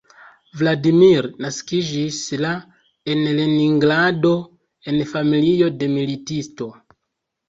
Vladimir naskiĝis la en Leningrado en familio de militisto.